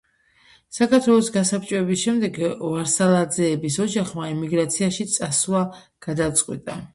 საქართველოს გასაბჭოების შემდეგ ვირსალაძეების ოჯახმა ემიგრაციაში წასვლა გადაწყვიტა.